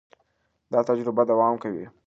دا تجربه دوام کوي.